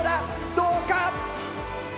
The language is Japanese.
どうか！